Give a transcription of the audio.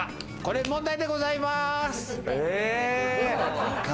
問題でございます。